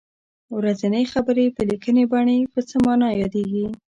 ورځنۍ خبرې په لیکنۍ بڼه وي په څه نامه یادیږي.